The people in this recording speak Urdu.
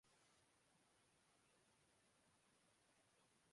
میں یہ نہیں کہتا کہ حکومت اس آپریشن کے خلاف ہے۔